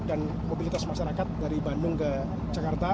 dan mobilitas masyarakat dari bandung ke jakarta